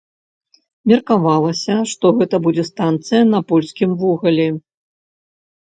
Меркавалася, што гэта будзе станцыя на польскім вугалі.